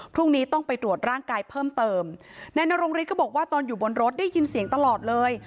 พรุ่งนี้ต้องไปตรวจร่างกายเพิ่มเติมนายนรงฤทธิก็บอกว่าตอนอยู่บนรถได้ยินเสียงตลอดเลย